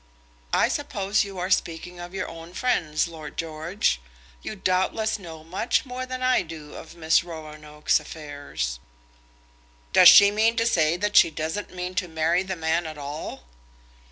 "I suppose you are speaking of your own friends, Lord George. You doubtless know much more than I do of Miss Roanoke's affairs." "Does she mean to say that she doesn't mean to marry the man at all?"